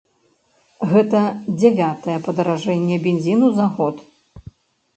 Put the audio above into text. Гэта дзявятае падаражэнне бензіну за год.